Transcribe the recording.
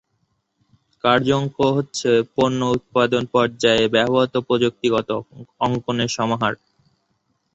কার্য অঙ্কন হচ্ছে পণ্য উৎপাদন পর্যায়ে ব্যবহৃত প্রযুক্তিগত অঙ্কনের সমাহার।